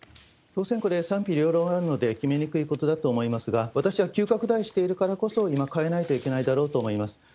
当然、これ賛否両論あるので決めにくいことだと思いますが、私は急拡大しているからこそ、今、変えないといけないだろうと思います。